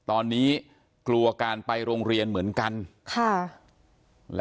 โอ้โหโอ้โหโอ้โหโอ้โห